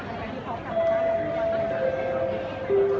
พี่แม่ที่เว้นได้รับความรู้สึกมากกว่า